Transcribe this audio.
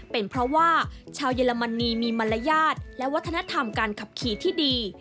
เป็นเพราะว่าชาวเยอรมนีมีมารยาทและวัฒนธรรมการขับขี่ที่ดี